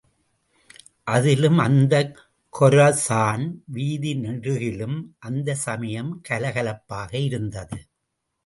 அதிலும் அந்தக் கொரசான் வீதி நெடுகிலும் அந்தச் சமயம் கலகலப்பாக இருந்தது.